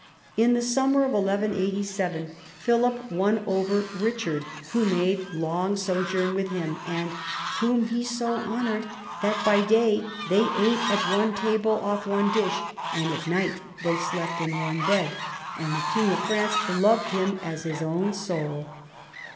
In the summer of 1187 Philip won over Eichard, who made long sojourn with him, and " whom he so honoured that by day they ate at one table, off one dish, and at night they slept in one bed. And the king of France loved him as his own soul."